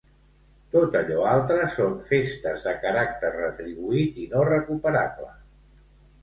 Tot allò altre són festes de caràcter retribuït i no recuperable.